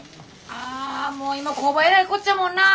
ああもう今工場えらいこっちゃもんな。